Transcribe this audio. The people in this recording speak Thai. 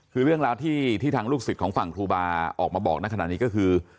คือเรื่องราวที่ทางลูกศิษย์ของฝั่งครูบาออกมาบอกในขณะนี้ก็คือ